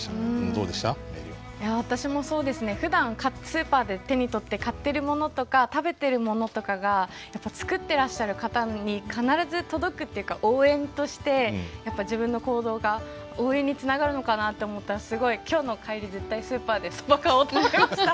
私もそうですねふだんスーパーで手に取って買ってるものとか食べてるものとかが作ってらっしゃる方に必ず届くっていうか応援としてやっぱ自分の行動が応援につながるのかなって思ったらすごい今日の帰り絶対スーパーでそば買おうと思いました。